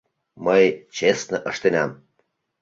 — Мый честно ыштенам.